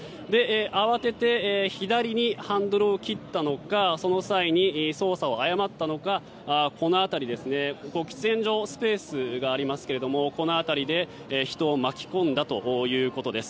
慌てて左にハンドルを切ったのかその際に操作を誤ったのかこの辺り喫煙所スペースがありますがこの辺りで人を巻き込んだということです。